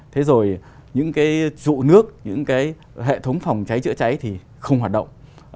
thế rồi những cái dụ nước những cái hệ thống phòng cháy chữa cháy thì không hoạt động